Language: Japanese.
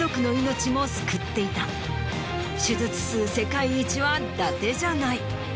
手術数世界一はだてじゃない。